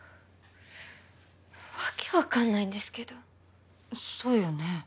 訳分かんないんですけどそうよね